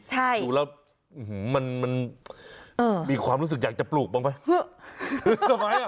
ดูแล้วมันมีความรู้สึกอยากจะปลูกบ้างไหม